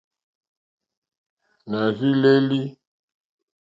Nà rzí lélí.